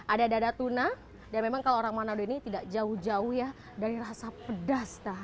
ada dada tuna dan memang kalau orang manado ini tidak jauh jauh ya dari rasa pedas